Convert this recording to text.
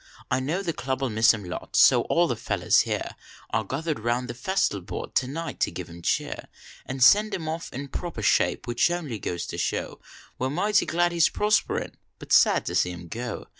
I know the Club ll miss im lots ; so all the fellers here Are gathered round the festal board tonight to give im cheer, An send im off in proper shape, which only goes to show We re mighty glad lie s prosperin but sad to see im go.